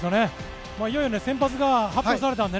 いよいよ先発が発表されたので。